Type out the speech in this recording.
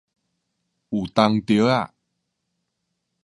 有當著仔